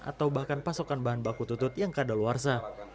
atau bahkan pasokan bahan baku tutut yang kadal luarsa